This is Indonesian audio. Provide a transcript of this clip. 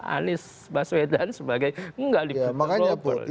anies baswedan sebagai gak di fit and proper